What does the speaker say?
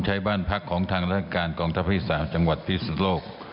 ใช้บ้านพักของทางรัฐการกองทภภิกษาจังหวัดภิกษุโลก